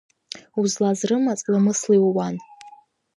Узлаз рымаҵ ламысла иууан…